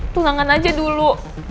tunangan aja dulu